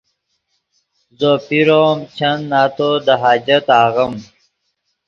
زو پیرو ام چند نتو دے حاجت آغیم